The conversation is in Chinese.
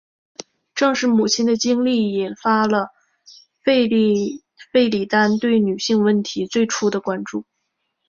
正是母亲的经历引发了弗里丹对女性问题最初的关注。